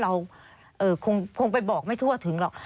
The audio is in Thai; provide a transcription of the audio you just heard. เราคงไปบอกไม่ทั่วถึงหรอก